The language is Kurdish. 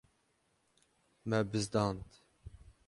Me bizdand.